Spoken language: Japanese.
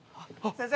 先生！